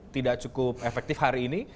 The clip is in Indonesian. tidak cukup efektif hari ini